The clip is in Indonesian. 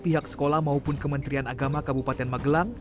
pihak sekolah maupun kementerian agama kabupaten magelang